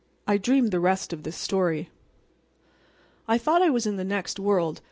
I dreamed the rest of this story. I thought I was in the next world.